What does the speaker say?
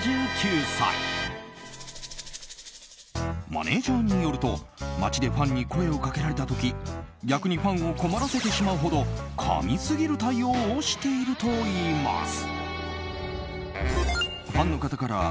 マネジャーによると街でファンに声をかけられた時逆にファンを困らせてしまうほど神すぎる対応をしているといいます。